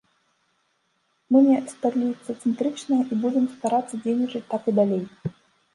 Мы не сталіцацэнтрычныя і будзем старацца дзейнічаць так і далей.